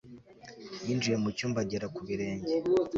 Yinjiye mu cyumba agera ku birenge